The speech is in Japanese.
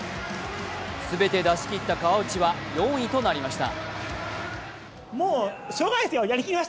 すべて出しきった川内は４位となりました。